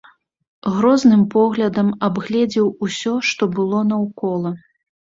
Грозным поглядам абгледзеў усё, што было наўкола.